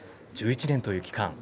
１１年という期間